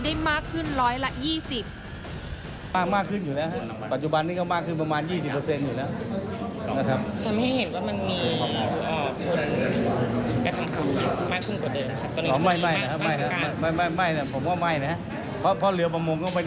ได้มากขึ้นร้อยละ๒๐